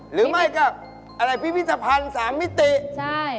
หรือไม่ก็อะไรพิพิธภัณฑ์สามมิติใช่